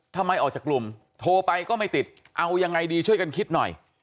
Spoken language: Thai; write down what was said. ทำไมออกจากกลุ่มโทรไปก็ไม่ติดเอายังไงดีช่วยกันคิดหน่อย